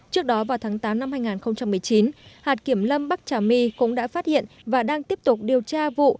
trước đó vào tháng tám năm hai nghìn một mươi chín hạt kiểm lâm bắc trà my cũng đã phát hiện và đang tiếp tục điều tra vụ